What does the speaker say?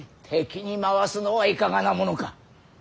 敵に回すのはいかがなものか。